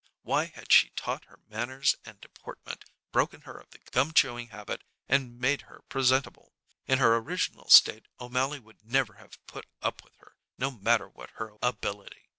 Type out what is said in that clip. Why had she taught her manners and deportment, broken her of the gum chewing habit, and made her presentable? In her original state O'Mally would never have put up with her, no matter what her ability.